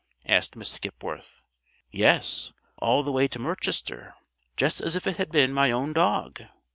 asked Miss Skipworth. "Yes; all the way to Merchester, just as if it had been my own dog.